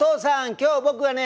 今日僕がね